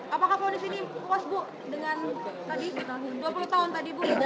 apakah ponis ini puas bu dengan tadi dua puluh tahun tadi bu